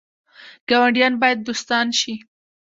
ګاونډیان باید دوستان شي